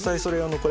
これ？